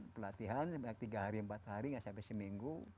pelatihan sampai tiga hari empat hari nggak sampai seminggu